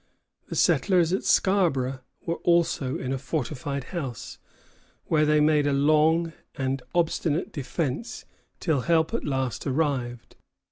The settlers at Scarborough were also in a fortified house, where they made a long and obstinate defence till help at last arrived.